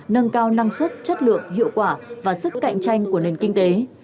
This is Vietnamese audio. nâng cao năng suất chất lượng hiệu quả và sức cạnh tranh của nền kinh tế